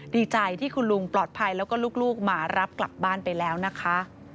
ดีใจที่คุณลุงปลอดภัยแล้วก็ลูกมารับกลับบ้านไปแล้วนะคะ